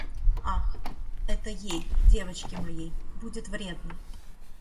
Ах, это ей, девочке моей, будет вредно!